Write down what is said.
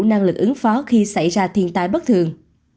các cơ quan đã đặt lực ứng phó khi xảy ra thiên tai bất thường